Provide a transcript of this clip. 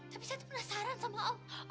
tapi saya tuh penasaran sama om